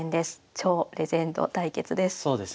超レジェンド対決です。